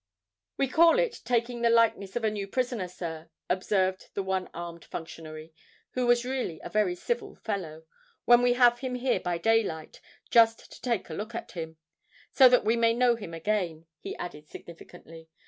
"We call it taking the likeness of a new prisoner, sir," observed the one armed functionary, who was really a very civil fellow, "when we have him here by day light just to take a look at him—so that we may know him again," he added significantly.